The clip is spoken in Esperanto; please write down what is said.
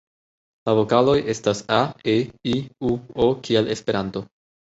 La vokaloj estas a,e,i,u,o kiel Esperanto.